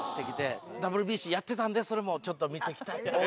ＷＢＣやってたんでそれもちょっと見てきたり。